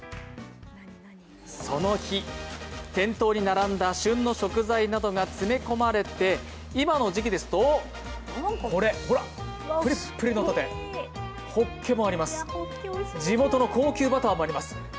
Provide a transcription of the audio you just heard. その日、店頭に並んだ旬の食材などが詰め込まれて今の時期ですと、これ、プリップリのほたて、ほっけもあります、地元の高級バターもあります。